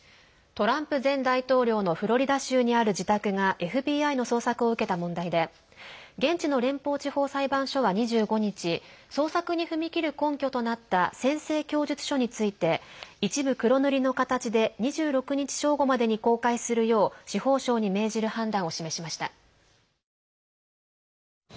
トランプ前大統領のフロリダ州にある自宅がＦＢＩの捜索を受けた問題で現地の連邦地方裁判所は２５日捜索に踏み切る根拠となった宣誓供述書について一部、黒塗りの形で２６日正午までに公開するよう司法省に命じる判断を示しました。